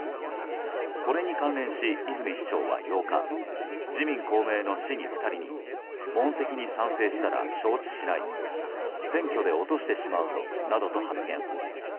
これに関連し、泉市長は８日自民・公明の市議２人に問責に賛成したら承知しない選挙で落としてしまうぞなどと発言。